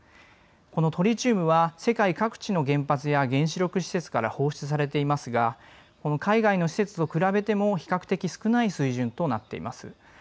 このトリチウムは世界各地の原発や原子力施設から放出されていますが海外の施設と比べても比較的少ない水準となっています。